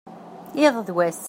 iḍ d wass